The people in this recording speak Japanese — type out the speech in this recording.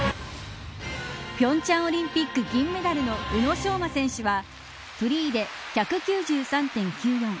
平昌オリンピック銀メダルの宇野昌磨選手はフリーで１９３．９４